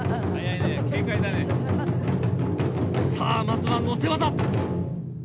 さあ、まずは乗せ技。